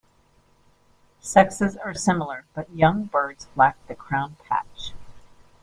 Sexes are similar, but young birds lack the crown patch.